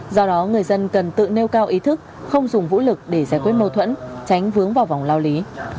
do đó người dân cần tự nêu cao ý thức không dùng vũ lực để giải quyết mâu thuẫn tránh vướng vào vòng lao lý